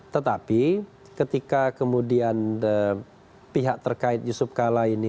tetapi ketika kemudian pihak terkait yusuf kala ini